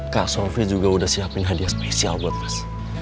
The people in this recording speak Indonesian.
kak sofi juga udah siapin hadiah spesial buat mas